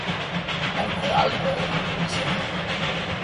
Manden havde aldrig været i Hvide Sande